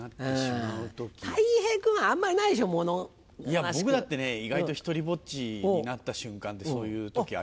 いや僕だってね意外と独りぼっちになった瞬間ってそういう時ありますよ。